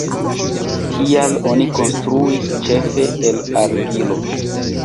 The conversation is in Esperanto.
Tial oni konstruis ĉefe el argilo.